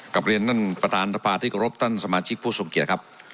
กราบเรียนนั่นประตานธรรพาที่กรบต้านสมาชิกผู้สมเกียรติครับ